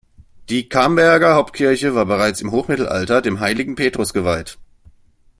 Die Camberger Hauptkirche war bereits im Hochmittelalter dem heiligen Petrus geweiht.